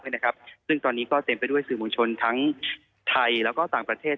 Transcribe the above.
ซึ่งตอนนี้ก็เต็มไปด้วยสื่อมวลชนทั้งไทยแล้วก็ต่างประเทศ